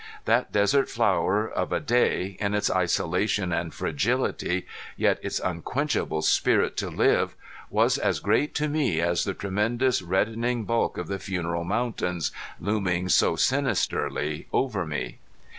That desert flower of a day, in its isolation and fragility, yet its unquenchable spirit to live, was as great to me as the tremendous reddening bulk of the Funeral Mountains looming so sinisterly over me.